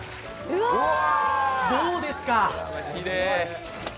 どうですか。